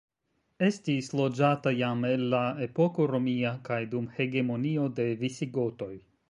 Estis loĝata jam el la epoko romia kaj dum hegemonio de visigotoj.